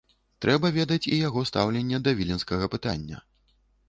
Трэба ведаць і яго стаўленне да віленскага пытання.